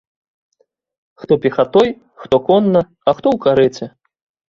Хто пехатой, хто конна, а хто ў карэце.